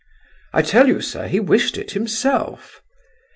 "I tell you, sir, he wished it himself!"